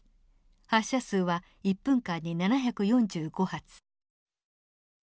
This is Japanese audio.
発射数は１分間に７４５発。